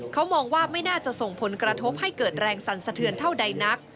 เขามองว่าไม่น่าจะส่งผลกระทบให้เกิดแรงสั่นสะเทือนเท่าใดนัก